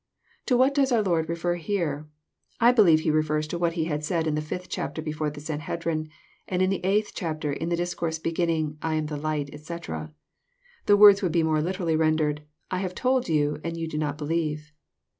"] To what does onr Lord refer here ? I believe He refers to what he had said in the filth chapter before the Sanhedrim, and in the eighth chapter in the discourse beginning, *< I am the Light," etc. The words would be more literally rendered, " 1 have told you, and ye do not believe.